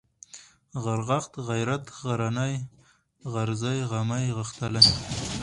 غرغښت ، غيرت ، غرنى ، غرزی ، غمی ، غښتلی